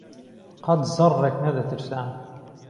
قهت زهڕڕێک نهدهترسان